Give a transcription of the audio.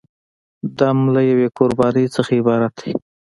دم له یوې قربانۍ څخه عبارت دی.